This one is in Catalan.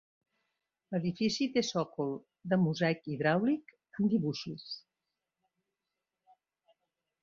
L'edifici té sòcol de mosaic hidràulic amb dibuixos.